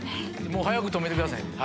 早く止めてくださいね。